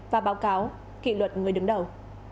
và báo cáo kỷ luật người đứng đầu